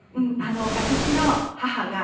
私の母が。